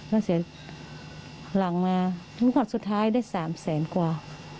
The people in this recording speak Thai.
แล้วเสร็จหลังมาวันสุดท้ายได้สามแสนกว่า